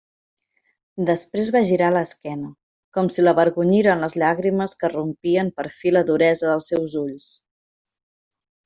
Després va girar l'esquena, com si l'avergonyiren les llàgrimes que rompien per fi la duresa dels seus ulls.